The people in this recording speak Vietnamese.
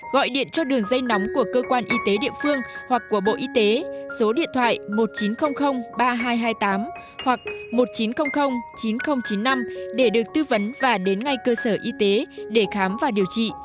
gọi điện cho đường dây nóng của cơ quan y tế địa phương hoặc của bộ y tế số điện thoại một nghìn chín trăm linh ba nghìn hai trăm hai mươi tám hoặc một nghìn chín trăm linh chín nghìn chín mươi năm để được tư vấn và đến ngay cơ sở y tế để khám và điều trị